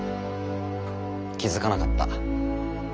気付かなかった。